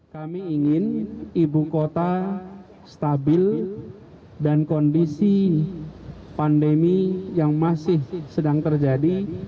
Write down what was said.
kami ingin ibu kota stabil dan kondisi pandemi yang masih sedang terjadi